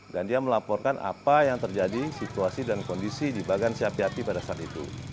dan dia melaporkan apa yang terjadi situasi dan kondisi di bagansi api api pada saat itu